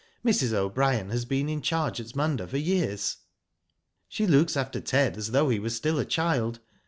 Mrs. O'Brien has been in charge at Munda for years. '* She looks after Ted as though he were still a child.